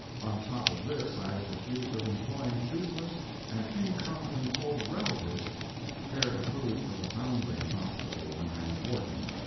On top of this I was accused of employing toothless and incompetent old relatives to prepare the food for the foundling hospital when I was warden.